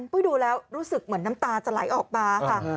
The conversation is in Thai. ดูแล้วรู้สึกเหมือนน้ำตาจะไหลออกมาค่ะ